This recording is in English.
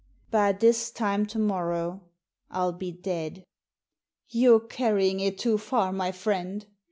" By this time to morrow I'll be dead." " You're carrying it too far, my friend."